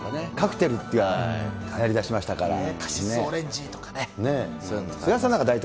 カクテルってはやりだしましカシスオレンジとかね。